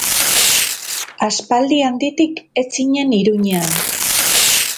Aspaldi handitik ez zinen Iruñean.